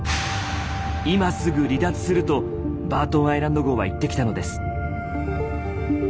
今すぐ離脱する」と「バートンアイランド号」は言ってきたのです。